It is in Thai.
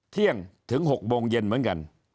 ถึง๖โมงเย็นเหมือนกัน